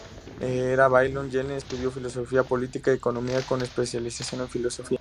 En el Balliol, Gellner estudió filosofía, política y economía, con especialización en filosofía.